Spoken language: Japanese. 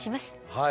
はい。